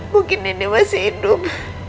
mungkin nini masih hidup